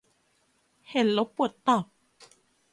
เห็น แล้วปวดตับ